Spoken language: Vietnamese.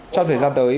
trong thời gian tới